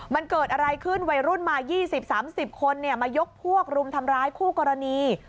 มันเกิดอะไรขึ้นวัยรุ่นมา๒๐๓๐คนมายกพวกรุมทำร้ายคู่กรณี